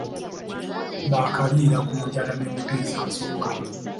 Baakaliira ku njala ne Mutesa I.